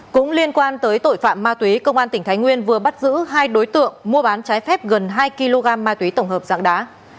cũng liên quan tới tội phạm ma túy công an tỉnh thái nguyên vừa bắt giữ hai đối tượng mua bán trái phép gần hai kg ma túy tổng hợp dạng đá